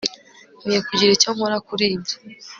nkwiye kugira icyo nkora kuri ibyo